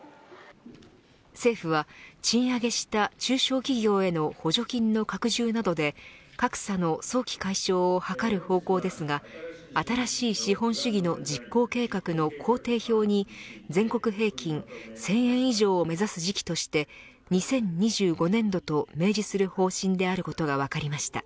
政府は賃上げした中小企業への補助金の拡充などで格差の早期解消を図る方向ですが新しい資本主義の実行計画の工程表に全国平均１０００円以上を目指す時期として２０２５年度と明示する方針であることが分かりました。